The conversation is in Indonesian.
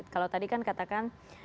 kalau tadi kan katakan